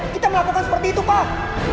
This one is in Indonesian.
kita melakukan seperti itu pak